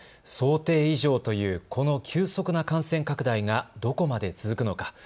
想定以上というこの急速な感染拡大がどこまで続くのか。